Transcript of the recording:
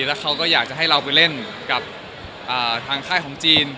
แล้วเขาก็อยากจะให้เราไปเล่นกับทางค่ายของจีน